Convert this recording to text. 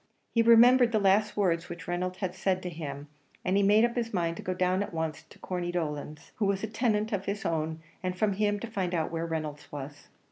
He remembered the last words which Reynolds had said to him, and he made up his mind to go down at once to Corney Dolan's, who was a tenant of his own, and from him find out where Reynolds was.